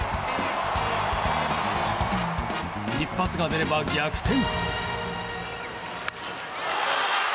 一発が出れば逆転。